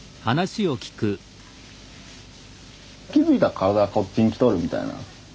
気付いたら体がこっちに来とるみたいな。